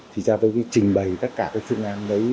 thì cha tôi trình bày tất cả các phương án đấy